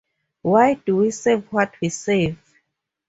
Why do we save what we save?